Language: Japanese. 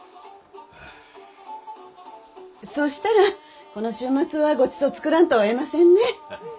そうしたらこの週末はごちそう作らんとおえませんね。